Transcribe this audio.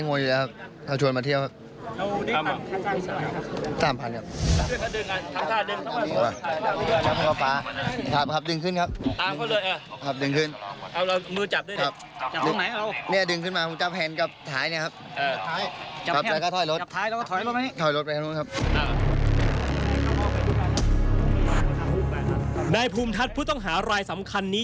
นายภูมิทัศน์ผู้ต้องหารายสำคัญนี้